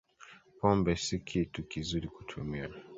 Pombe si kitu kizuri kutumia